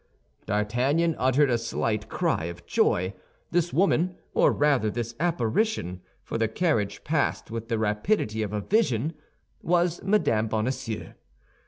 D'Artagnan uttered a slight cry of joy; this woman, or rather this apparition—for the carriage passed with the rapidity of a vision—was Mme. Bonacieux.